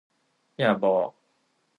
อย่าบอก